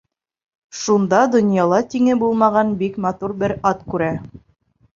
Шунда донъяла тиңе булмаған бик матур бер ат күрә.